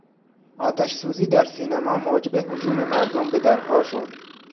آتش سوزی در سینما موجب هجوم مردم به درها شد.